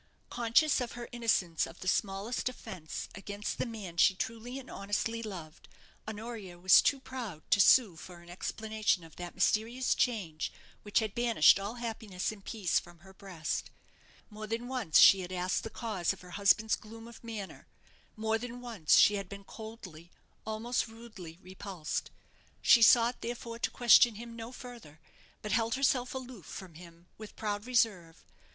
Conscious of her innocence of the smallest offence against the man she truly and honestly loved, Honoria was too proud to sue for an explanation of that mysterious change which had banished all happiness and peace from her breast. More than once she had asked the cause of her husband's gloom of manner; more than once she had been coldly, almost rudely, repulsed. She sought, therefore, to question him no further; but held herself aloof from him with proud reserve.